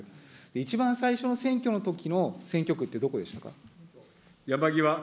一番最初の選挙のときの選挙区ってどこでしたか。